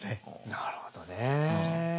なるほどね。